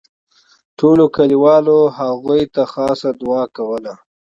ټولو کلیوالو هغوی ته خاصه دوعا کوله.